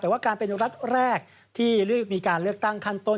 แต่ว่าการเป็นรัฐแรกที่มีการเลือกตั้งขั้นต้น